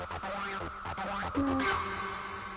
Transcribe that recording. いきます。